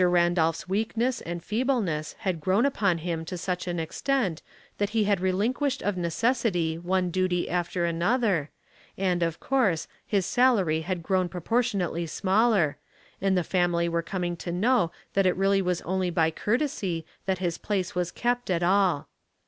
Randolph's weakness and feebleness had grown upon him to such an extent that he had relinquished of necessity one duty after another, and, of course, his salary had grown proportion ately smaller, and the family were coming to know that it was only by courtesy that his place was kept at all.